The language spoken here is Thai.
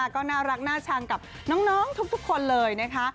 ก็น่ารักน่าชังกับน้องทุกคนเลยนะคะ